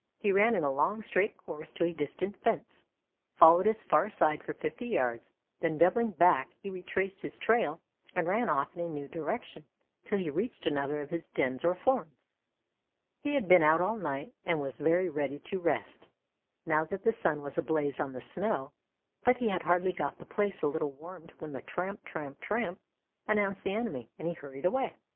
He ran in a long, straight course to a distant fence, followed its far side for fifty yards, then doubling back he retraced his trail and ran off in a new direction till he reached another of his dens or forms. He had been out all night and was very ready to rest, now that the sun was ablaze on the snow; but he had hardly got the place a little warmed when the "tramp, tramp, tramp" announced the enemy, and he hurried away.